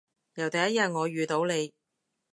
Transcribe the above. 由第一日我遇到你